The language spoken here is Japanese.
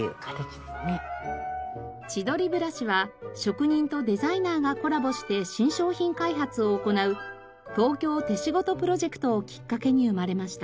千鳥ブラシは職人とデザイナーがコラボして新商品開発を行う「東京手仕事」プロジェクトをきっかけに生まれました。